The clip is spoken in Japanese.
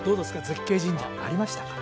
絶景神社ありましたか？